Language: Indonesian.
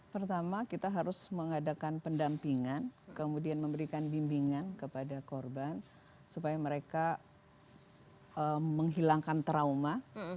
pertama kita harus mengadakan pendampingan kemudian memberikan bimbingan kepada korban supaya mereka menghilangkan trauma